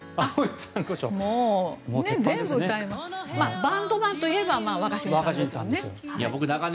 バンドマンといえば若新さんですよね。